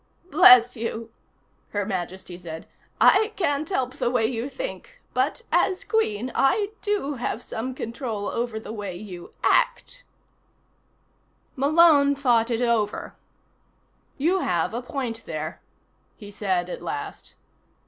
"Bless you," Her Majesty said, "I can't help the way you think, but, as Queen, I do have some control over the way you act." Malone thought it over. "You have a point there," he said at last.